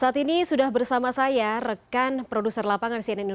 saat ini sudah bersama saya rekan produser lapangan cnn indonesia